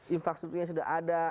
infrastrukturnya sudah ada